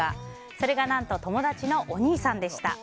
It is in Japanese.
それが何と友達のお兄さんでした。